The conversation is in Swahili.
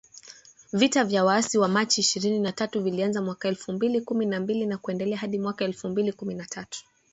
Vita vya waasi wa Machi ishirini na tatu vilianza mwaka elfu mbili kumi na mbili na kuendelea hadi mwaka elfu mbili kumi na tatu